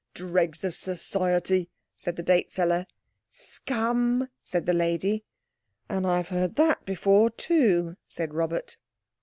Dregs of society!" said the date seller. "Scum!" said the lady. "And I've heard that before, too," said Robert.